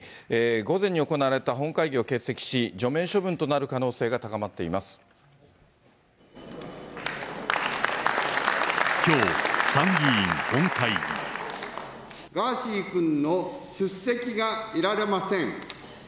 午前に行われた本会議を欠席し、除名処分となる可能性が高まってきょう、ガーシー君の出席が得られません。